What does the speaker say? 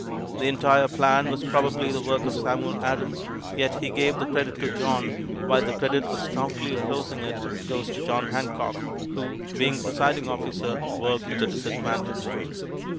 The entire plan was probably the work of Samuel Adams, yet he gave the credit to John, while the credit of stoutly opposing it goes to John Hancock, who, being presiding officer, worked at a disadvantage.